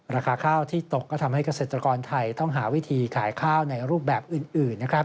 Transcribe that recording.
ราคาข้าวที่ตกก็ทำให้เกษตรกรไทยต้องหาวิธีขายข้าวในรูปแบบอื่นนะครับ